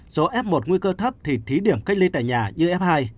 số f một nguy cơ thấp thì thí điểm cách ly tại nhà như f hai